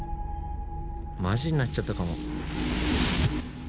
マジになっちゃったかも。